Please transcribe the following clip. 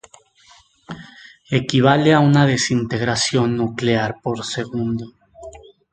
Equivale a una desintegración nuclear por segundo.